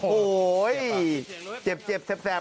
โอ้โหเห้ยเจ็บแซบ